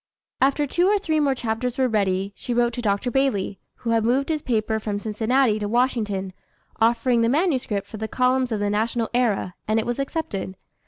After two or three more chapters were ready, she wrote to Dr. Bailey, who had moved his paper from Cincinnati to Washington, offering the manuscript for the columns of the National Era, and it was accepted.